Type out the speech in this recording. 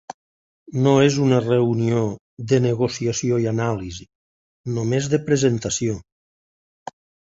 No és una reunió de negociació i anàlisi, només de presentació.